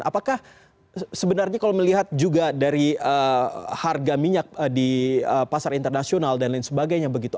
apakah sebenarnya kalau melihat juga dari harga minyak di pasar internasional dan lain sebagainya begitu